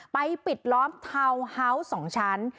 ปิดล้อมทาวน์ฮาวส์๒ชั้น